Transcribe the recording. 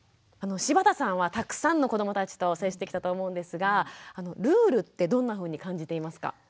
柴田さんはたくさんの子どもたちと接してきたと思うんですがルールってどんなふうに感じていますか？